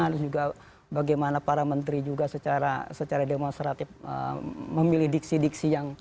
dan juga bagaimana para menteri juga secara demonstratif memilih diksi diksi